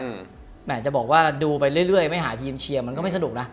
แหมจะบอกว่าดูไปเรื่อยไม่หาทีมเชียร์มันก็ไม่สนุกนะ